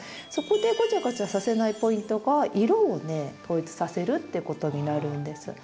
そこでごちゃごちゃさせないポイントが色をね統一させるっていうことになるんです。